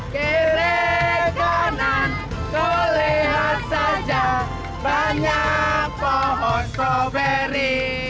kirekanan kelihat saja banyak pohon strawberry